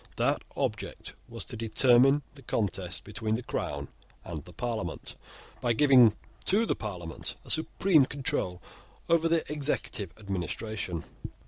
That object was to terminate the contest between the Crown and the Parliament, by giving to the Parliament a supreme control over the executive administration.